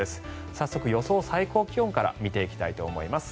早速、予想最高気温から見ていきます。